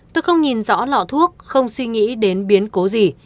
tôi không nhìn rõ lọ thuốc không suy nghĩ đến biến cố gì